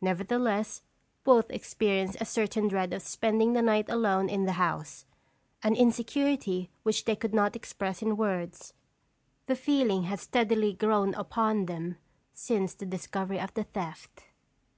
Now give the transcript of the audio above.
Nevertheless, both experienced a certain dread of spending the night alone in the house, an insecurity which they could not express in words. The feeling had steadily grown upon them since the discovery of the theft.